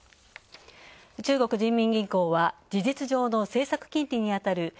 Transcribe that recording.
中国人民銀行は事実上の政策金利にあたる